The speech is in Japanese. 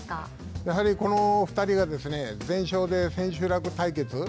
やはりこの２人が全勝で千秋楽対決